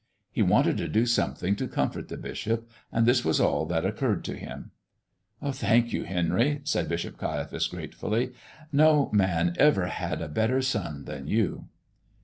He wanted to do something to comfort the bishop, and this was all that occurred to him. "Thank you, Henry," said Bishop Caiaphas, gratefully. "No man ever had a better son than you."